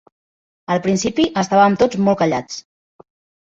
Al principi, estàvem tots molt callats.